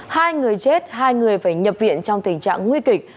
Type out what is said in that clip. hai người chết hai người phải nhập viện trong tình trạng nguy kịch